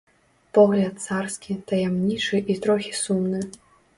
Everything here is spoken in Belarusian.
Погляд царскі, таямнічы і трохі сумны.